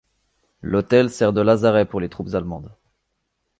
L’hôtel sert de lazaret pour les troupes allemandes.